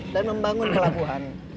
dan membangun pelabuhan